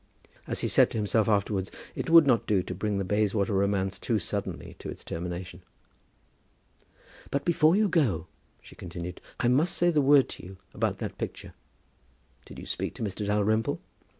As he said to himself afterwards, "It would not do to bring the Bayswater romance too suddenly to its termination!" "But before you go," she continued, "I must say the word to you about that picture. Did you speak to Mr. Dalrymple?"